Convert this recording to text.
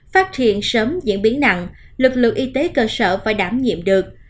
phát hiện sớm diễn biến nặng lực lượng y tế cơ sở phải đảm nhiệm được